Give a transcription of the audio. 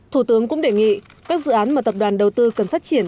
thủ tướng cũng đề nghị các dự án mà tập đoàn đầu tư cần phát triển